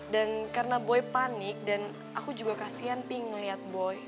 dan karena boy panik dan aku juga kasihan pi ngeliat boy